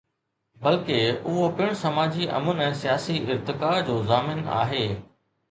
بلڪه، اهو پڻ سماجي امن ۽ سياسي ارتقاء جو ضامن آهي.